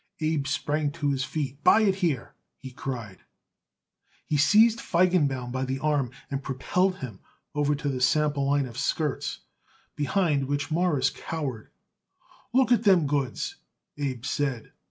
Abe sprang to his feet. "Buy it here!" he cried. He seized Feigenbaum by the arm and propelled him over to the sample line of skirts, behind which Morris cowered. "Look at them goods," Abe said.